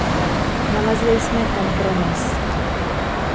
Nalezli jsme kompromis.